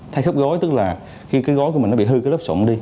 thay khớp gối tức là khi cái gối của mình nó bị hư cái lớp sụn đi